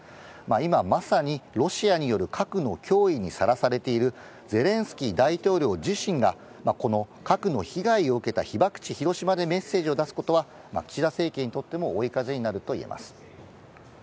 今、まさにロシアによる核の脅威にさらされているゼレンスキー大統領自身が、この核の被害を受けた被爆地、広島でメッセージを出すことは、岸田政権にとっても追い風になるといえます。